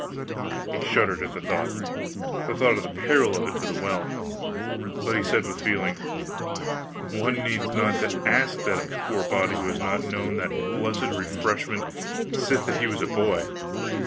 He shuddered at the thought the thought of the peril of it to the well but he said with feeling: "One needs not to ask that of a poor body who has not known that blessed refreshment sith that he was a boy.